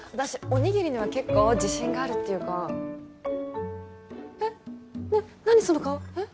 おにぎりには結構自信があるっていうかえっ何その顔えっ？